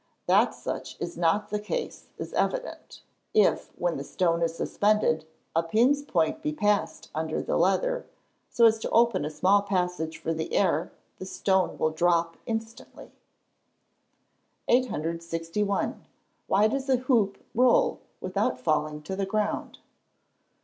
That such is not the case is evident: if, when the stone is suspended, a pin's point be passed under the leather, so as to open a small passage for the air, the stone will drop instantly. 861. _Why does a hoop roll, without falling to the ground?